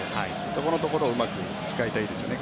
そこのところをうまく使いたいですよね。